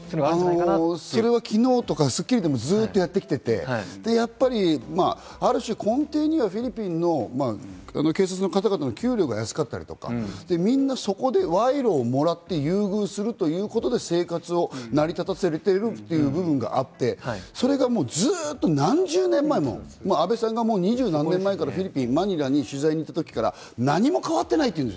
それは昨日とか、『スッキリ』でもずっとやってきていて、ある種、根底にはフィリピンの警察の方々の給料が安かったりとか、みんなそこで賄賂をもらって優遇するということで生活を成り立たせているという部分があって、それがずっと何十年も阿部さんが二十何年前からフィリピン・マニラに取材に行った時から何も変わってないと言うんです。